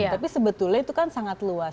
tapi sebetulnya itu kan sangat luas